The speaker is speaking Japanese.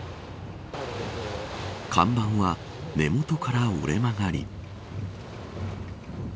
看板は根元から折れ曲がり。